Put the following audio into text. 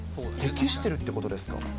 適してるってことですか。